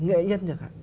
nghệ nhân chẳng hạn